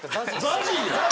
ＺＡＺＹや！